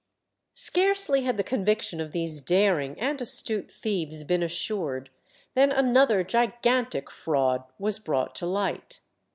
Scarcely had the conviction of these daring and astute thieves been assured, than another gigantic fraud was brought to light.